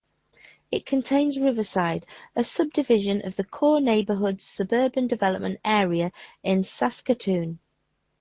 It contains Riversdale, a subdivision of the Core Neighbourhoods Suburban Development Area in Saskatoon.